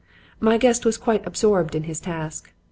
"My guest was quite absorbed in his task.